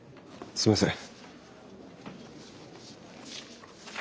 すいません。